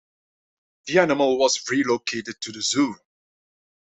The animal was relocated to the zoo.